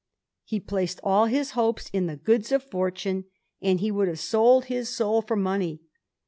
He placed all his hopes in the goods of fortune, and he would have sold his soul for money.